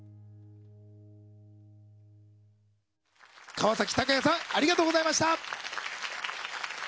川崎鷹也さんありがとうございました。